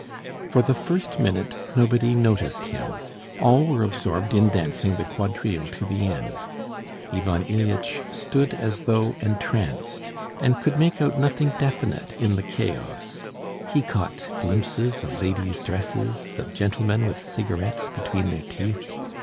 For the first minute nobody noticed him; all were absorbed in dancing the quadrille to the end. Ivan Ilyitch stood as though entranced, and could make out nothing definite in the chaos. He caught glimpses of ladies' dresses, of gentlemen with cigarettes between their teeth.